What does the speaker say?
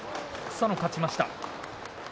草野が勝ちました。